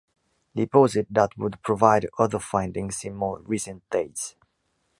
Deposit that would provide other findings in more recent dates.